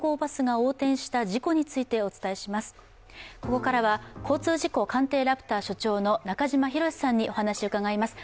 ここからは交通事故鑑定ラプター所長の中島博史さんにお話を伺います。